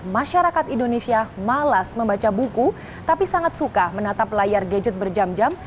masyarakat indonesia malas membaca buku tapi sangat suka menatap layar gadget berjam jam